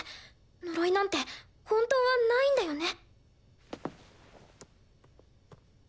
呪いなんて本当はないんだよね？